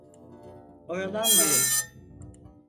Oyalanmayın.